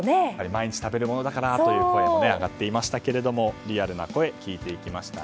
毎日食べるものだからという声も上がっていましたがリアルな声聞いていきました。